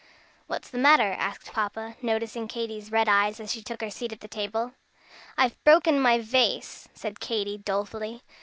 "What's the matter?" asked Papa, noticing Katy's red eyes as she took her seat at the table. "I've broken my vase," said Katy, dolefully.